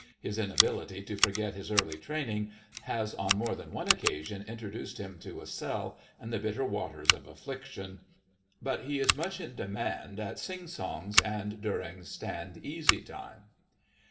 His inability to forget his early training has on more than one occasion introduced him to a cell and the bitter waters of affliction. But he is much in demand at sing songs and during stand easy time.